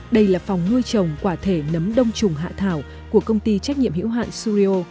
đây là phòng nuôi trồng quả thể nấm đông trùng hạ thảo của công ty trách nhiệm hữu hạn surio